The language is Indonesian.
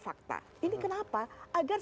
fakta ini kenapa agar